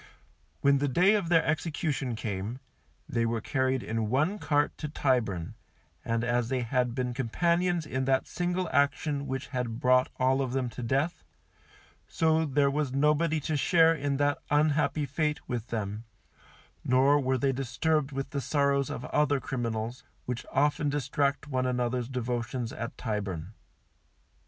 When the day of their execution came, they were carried in one cart to Tyburn, and as they had been companions in that single action which had brought all of them to death, so there was nobody to share in that unhappy fate with them, nor were they disturbed with the sorrows of other criminals, which often distract one another's devotions at Tyburn.